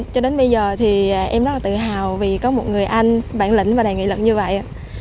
cho đến bây giờ thì em rất là tự hào vì có một người anh bản lĩnh và đề nghị lực như vậy